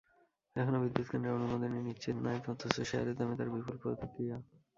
এখনো বিদ্যুৎকেন্দ্রের অনুমোদনই নিশ্চিত নায়, অথচ শেয়ারের দামে তার বিপুল প্রতিক্রিয়া।